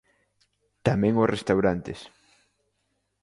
Tamén os restaurantes.